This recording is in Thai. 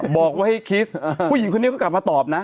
บอกว่าให้คิดผู้หญิงคนนี้ก็กลับมาตอบนะ